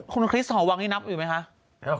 เก้คคลิสตรวางที่นับอยู่ไหมคะครับ